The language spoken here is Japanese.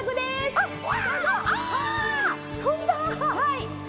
はい！